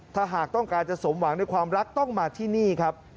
ถ้าหากต้องการจะสมหวังในความรักต้องมาที่นี่ครับ